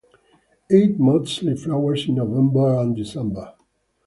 It mostly flowers in November and December.